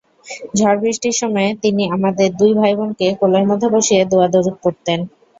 ঝড়-বৃষ্টির সময়ে তিনি আমাদের দুই ভাইবোনকে কোলের মধ্যে বসিয়ে দোয়া-দরুদ পড়তেন।